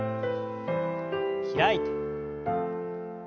開いて。